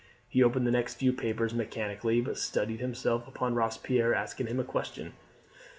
He opened the next few papers mechanically, but steadied himself upon Robespierre asking him a question.